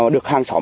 được hàng xóm